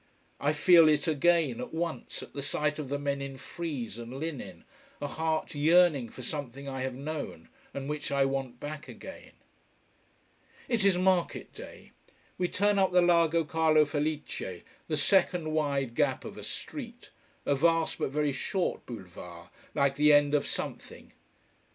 I feel it again, at once, at the sight of the men in frieze and linen, a heart yearning for something I have known, and which I want back again. It is market day. We turn up the Largo Carlo Felice, the second wide gap of a street, a vast but very short boulevard, like the end of something.